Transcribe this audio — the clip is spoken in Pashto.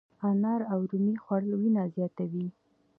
انار او رومي خوړل وینه زیاتوي.